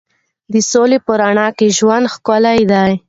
د سولې په رڼا کې ژوند ښکلی دی.